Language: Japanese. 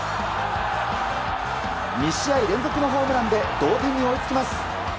２試合連続のホームランで同点に追いつきます。